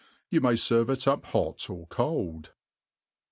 You may ferve it up hot ox cold.